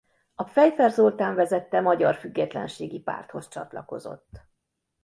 A Pfeiffer Zoltán vezette Magyar Függetlenségi Párthoz csatlakozott.